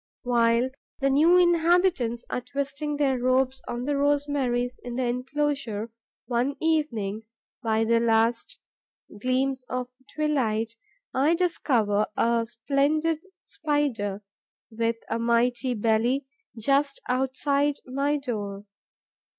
While the new inhabitants are twisting their ropes on the rosemaries in the enclosure, one evening, by the last gleams of twilight, I discover a splendid Spider, with a mighty belly, just outside my door.